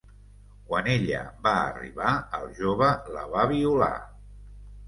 Quan ella va arribar, el jove la va violar.